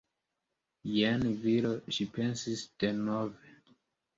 Jen viro, ŝi pensis denove.